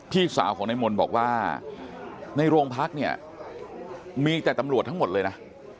พี่สาวของนายมนต์บอกว่าในโรงพักเนี่ยมีแต่ตำรวจทั้งหมดเลยนะ